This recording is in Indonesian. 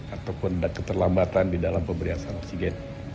ataupun ada keterlambatan di dalam pemberian oksigen